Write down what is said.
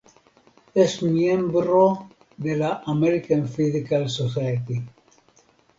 Es miembro de la American Physical Society.